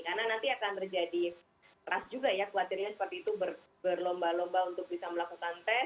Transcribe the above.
karena nanti akan terjadi ras juga ya khawatirnya seperti itu berlomba lomba untuk bisa melakukan tes